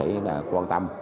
này là quan tâm